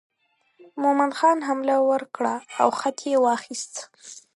مومن خان حمله ور کړه او خط یې واخیست.